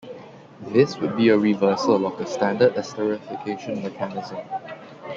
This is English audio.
This would be a reversal of the standard esterification mechanism.